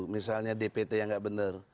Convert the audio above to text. misalnya dpt yang nggak benar